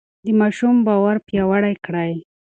د ماشوم باور پیاوړی کړئ.